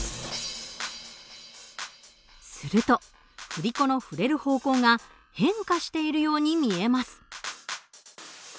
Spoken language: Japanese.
すると振り子の振れる方向が変化しているように見えます。